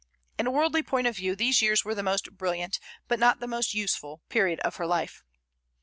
In a worldly point of view these years were the most brilliant, but not most useful, period of her life.